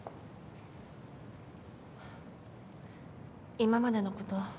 今までのこと